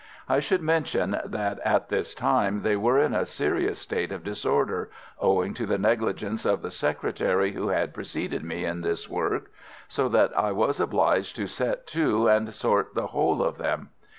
I should mention that at this time they were in a serious state of disorder, owing to the negligence of the secretary who had preceded me in this work; so that I was obliged to set to and sort the whole of them.